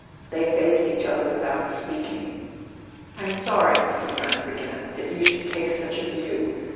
They faced each other without speaking. "I'm sorry," Mr. Brant began, "that you should take such a view.